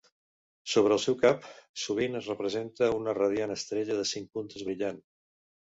Sobre el seu cap sovint es representa una radiant estrella de cinc puntes brillant.